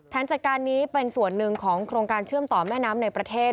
จัดการนี้เป็นส่วนหนึ่งของโครงการเชื่อมต่อแม่น้ำในประเทศ